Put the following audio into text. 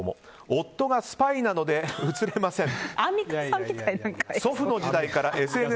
夫がスパイなので写れません。